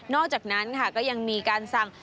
อกจากนั้นค่ะก็ยังมีการสั่ง